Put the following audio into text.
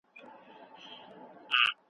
زه د خپل ژوند لپاره پلان جوړوم.